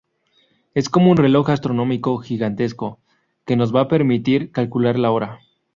Es como un reloj astronómico gigantesco, que nos va a permitir calcular la hora.